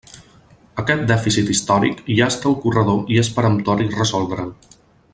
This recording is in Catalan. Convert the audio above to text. Aquest dèficit històric llasta el corredor i és peremptori resoldre'l.